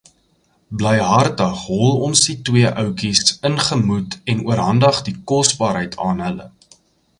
Blyhartig hol ons die twee oudjies ingemoet en oorhandig die kosbaarheid aan hulle.